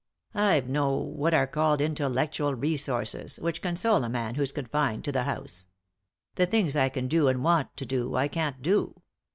I've no what are called intellectual re sources, which console a man who's confined to the house. The things I can do and want to do I can't do.